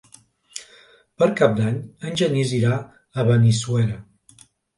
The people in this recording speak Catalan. Per Cap d'Any en Genís irà a Benissuera.